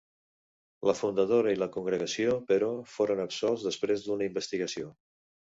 La fundadora i la congregació, però, foren absolts després d'una investigació.